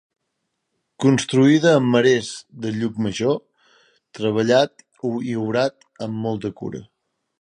Construïda amb marès de Llucmajor, treballat i obrat amb molta cura.